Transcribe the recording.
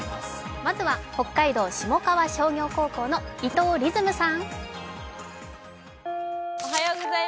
まずは北海道下川商業高校の伊藤律夢さん。